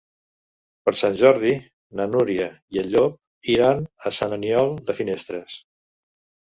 Per Sant Jordi na Núria i en Llop iran a Sant Aniol de Finestres.